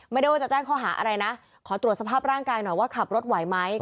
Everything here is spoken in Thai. ไม่ได้ว่าจะแจ้งข้อหาอะไรนะขอตรวจสภาพร่างกายหน่อยว่าขับรถไหวไหม